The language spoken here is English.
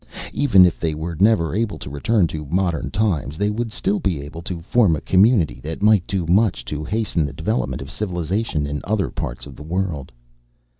Even if they were never able to return to modern times they would still be able to form a community that might do much to hasten the development of civilization in other parts of the world.